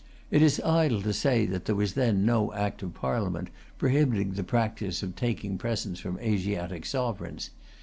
It is idle to say that there was then no Act of Parliament prohibiting the practice of taking presents from Asiatic sovereigns.